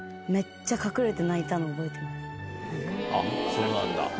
そうなんだ。